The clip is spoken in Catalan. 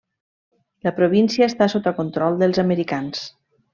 La província està sota control dels americans.